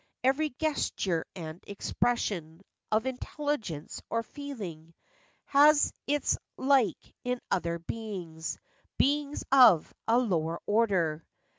Every gesture and expression Of intelligence or feeling, Has its like in other beings, Beings of a lower order.